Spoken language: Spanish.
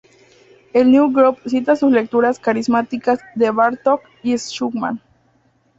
El New Grove cita sus "lecturas carismáticas de Bartók y Schumann".